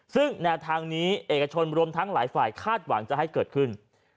ซึ่งแนวทางนี้เอกชนรวมทั้งหลายฝ่ายคาดหวังจะให้เกิดขึ้น